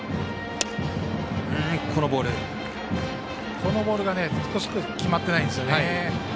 このボールが決まってないんですよね。